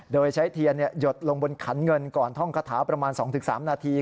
โดยใช้เทียนหยดลงบนขันเงินก่อนท่องคาถาประมาณ๒๓นาที